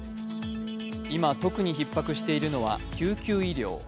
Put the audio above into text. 今、特にひっ迫しているのは救急医療。